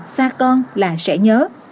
xa nhà xa con là sẽ nhớ